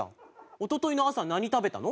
おとといの朝は何食べたの？